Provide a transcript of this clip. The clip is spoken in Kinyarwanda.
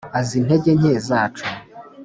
Az’intege nke zacu